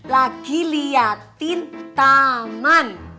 lagi liatin taman